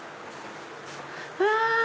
うわ！